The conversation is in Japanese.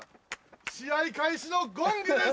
試合開始のゴングです。